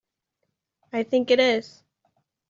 I think it is.